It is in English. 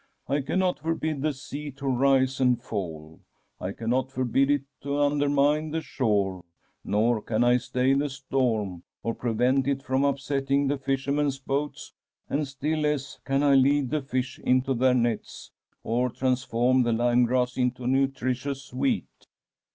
I cannot forbid the sea to rise and fall ; I cannot forbid it to undermine the shore ; nor can I stay the storm, or prevent it from upset ting the fishermen's boats; and still less can I lead the fish into their nets, or transform the lyme grass into nutritious wheat.